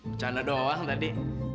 bercanda doang tadi